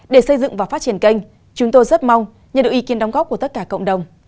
để xây dựng và phát triển kênh chúng tôi rất mong nhận được ý kiến đóng góp của tất cả cộng đồng